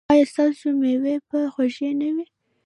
ایا ستاسو میوې به خوږې نه وي؟